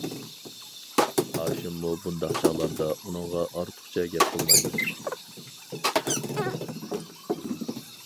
ھاشىممۇ بۇنداق چاغلاردا ئۇنىڭغا ئارتۇقچە گەپ قىلمايدۇ.